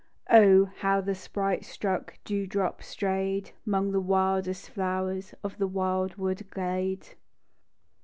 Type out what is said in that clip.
0, how the sprite struck Dew drop stray'd Along the wildest flow'rs Of the wild wood glade